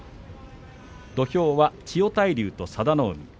土俵は千代大龍と佐田の海です。